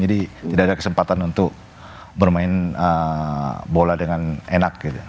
jadi tidak ada kesempatan untuk bermain bola dengan enak